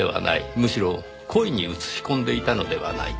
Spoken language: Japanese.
むしろ故意に映し込んでいたのではないか。